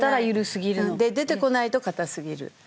出てこないと硬すぎる。